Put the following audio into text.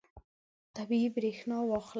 طبیعي برېښنا واخلئ.